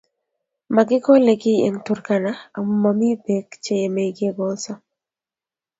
Makikole kiy eng' Turakana amu mamii peek che yemei kekolso